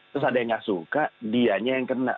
terus ada yang nggak suka dianya yang kena